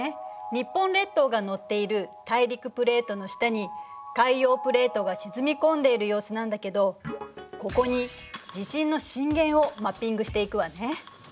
日本列島が乗っている大陸プレートの下に海洋プレートが沈み込んでいる様子なんだけどここに地震の震源をマッピングしていくわね。